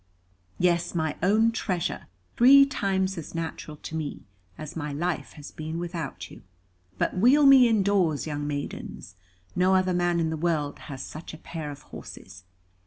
"Yes, my own treasure, three times as natural to me, as my life has been without you. But wheel me indoors, young maidens. No other man in the world has such a pair of horses.